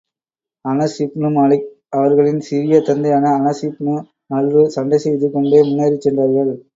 Anas ibn Malik அவர்களின் சிறிய தந்தையான அனஸ் இப்னு நல்ரு சண்டை செய்து கொணடே முன்னேறிச் சென்றார்கள்.